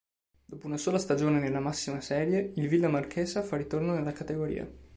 Dopo una sola stagione nella massima serie, il Villa Marchesa fa ritorno nella categoria.